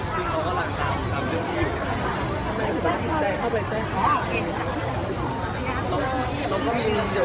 ซึ่งเราก็หลากตามเรื่องอยู่